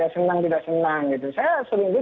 senang tidak senang saya sering